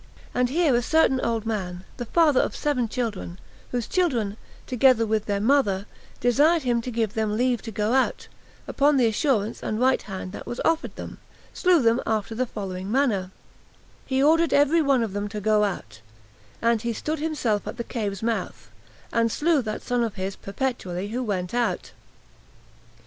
And here a certain old man, the father of seven children, whose children, together with their mother, desired him to give them leave to go out, upon the assurance and right hand that was offered them, slew them after the following manner: He ordered every one of them to go out, while he stood himself at the cave's mouth, and slew that son of his perpetually who went out.